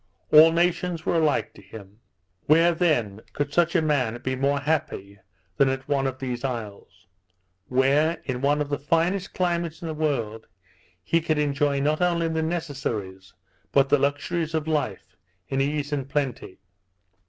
All nations were alike to him. Where then could such a man be more happy than at one of these isles? where, in one of the finest climates in the world, he could enjoy not only the necessaries, but the luxuries of life, in ease and plenty.